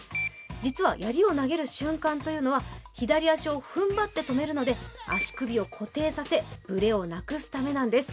実は槍を投げる瞬間というのは左足を踏ん張って止めるので足首を固定させ、ブレをなくすためなんです。